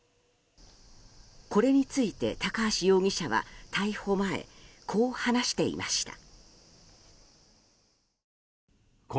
これについて、高橋容疑者は逮捕前こう話していました。